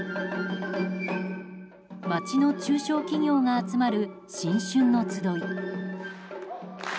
街の中小企業が集まる新春のつどい。